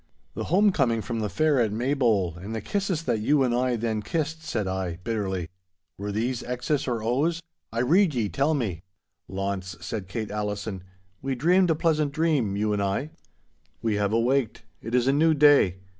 'The home coming from the fair at Maybole and the kisses that you and I then kissed,' said I, bitterly, 'were these X's or O's? I rede ye tell me!' 'Launce,' said Kate Allison, 'we dreamed a pleasant dream, you and I. We have awaked. It is a new day.